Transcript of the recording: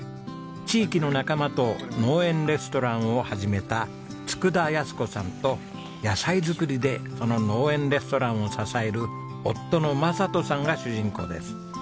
地域の仲間と農園レストランを始めた佃安子さんと野菜作りでその農園レストランを支える夫の正人さんが主人公です。